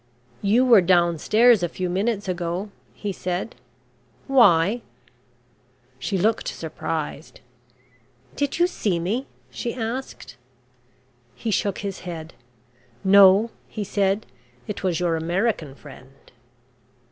"You were downstairs a few moments ago," he said. "Why?" She looked surprised. "Did you see me?" she asked. He shook his head. "No," he said. "It was your American friend."